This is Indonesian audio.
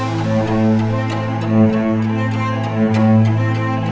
kenapa ia ada di tempat ini